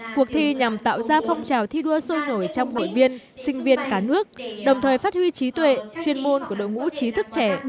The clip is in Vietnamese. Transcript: cuộc thi nhằm tạo ra phong trào thi đua sôi nổi trong hội viên sinh viên cả nước đồng thời phát huy trí tuệ chuyên môn của đội ngũ trí thức trẻ